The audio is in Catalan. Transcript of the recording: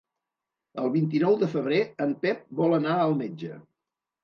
El vint-i-nou de febrer en Pep vol anar al metge.